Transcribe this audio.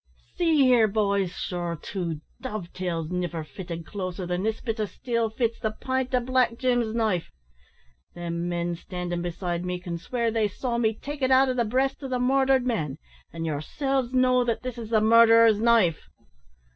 "See here, boys, sure two dovetails niver fitted closer than this bit o' steel fits the pint o' Black Jim's knife. Them men standin' beside me can swear they saw me take it out o' the breast o' the morthered man, an' yerselves know that this is the murderer's knife."